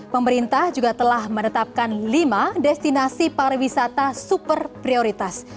pemerintah juga telah menetapkan lima destinasi pariwisata super prioritas